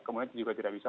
kemudian juga tidak bisa